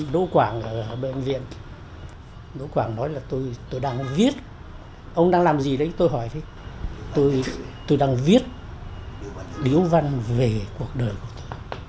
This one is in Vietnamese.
đỗ quảng nói là tôi đang viết ông đang làm gì đấy tôi hỏi thế tôi đang viết điếu văn về cuộc đời của tôi